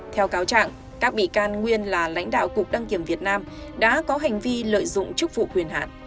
theo cáo trạng các bị can nguyên là lãnh đạo cục đăng kiểm việt nam đã có hành vi lợi dụng chức vụ quyền hạn